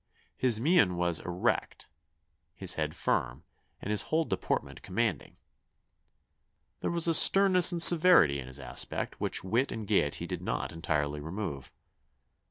His mien was erect, his head firm, and his whole deportment commanding. There was a sternness and severity in his aspect which wit and gaiety did not entirely remove.